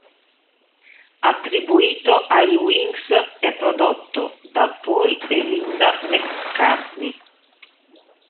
Attribuito ai Wings, è prodotto da Paul e Linda McCartney.